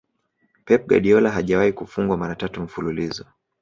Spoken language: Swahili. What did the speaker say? Pep guardiola hajawahi kufungwa mara tatu mfululizo